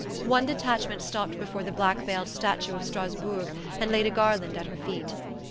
One detachment stopped before the black veiled statue of Strasbourg and laid a garland at her feet.